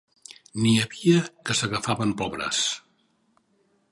N'hi havia que s'agafaven pel braç